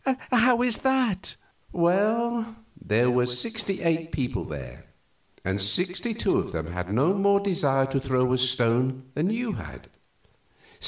"How is that?" "Well, there were sixty eight people there, and sixty two of them had no more desire to throw a stone than you had."